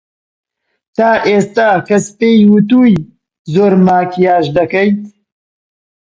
تا ئێستا کەس پێی وتووی زۆر ماکیاژ دەکەیت؟